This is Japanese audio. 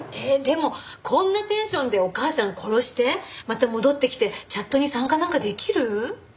えっでもこんなテンションでお母さん殺してまた戻ってきてチャットに参加なんかできる？